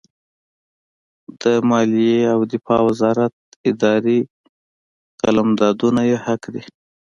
د مالیې او دفاع وزارت اداري قلمدانونه یې حق دي.